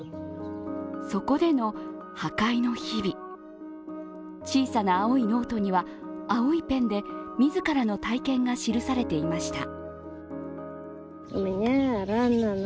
そこでの破壊の日々小さな青いノートには、青いペンで自らの体験が記されていました。